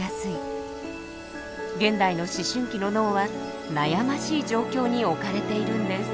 現代の思春期の脳は悩ましい状況に置かれているんです。